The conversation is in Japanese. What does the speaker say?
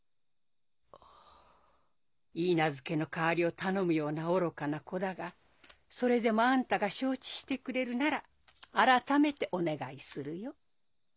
いいなずけの代わりを頼むような愚かな子だがそれでもあんたが承知してくれるならあらためてお願いするよ。